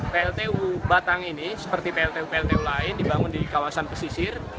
pltu batang ini seperti pltu pltu lain dibangun di kawasan pesisir